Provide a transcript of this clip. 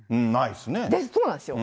そうなんですよ。